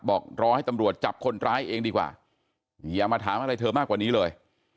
บอกรอให้ตำรวจจับคนร้ายเองดีกว่าอย่ามาถามอะไรเธอมากกว่านี้เลย